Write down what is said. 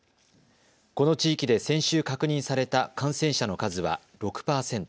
この地域で先週確認された感染者の数は６％。